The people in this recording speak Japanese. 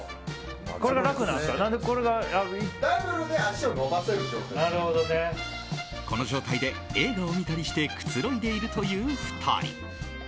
この状態で映画を見たりしてくつろいでいるという２人。